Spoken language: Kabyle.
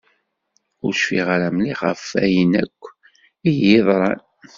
Ur cfiɣ ara mliḥ ɣef wayen akk iyi-d-yeḍran.